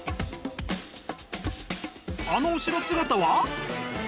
あの後ろ姿は？